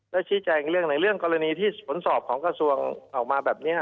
ชี้แจงเรื่องไหนเรื่องกรณีที่ผลสอบของกระทรวงออกมาแบบนี้